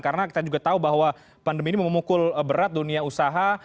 karena kita juga tahu bahwa pandemi ini memukul berat dunia usaha